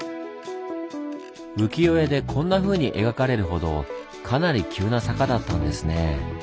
浮世絵でこんなふうに描かれるほどかなり急な坂だったんですね。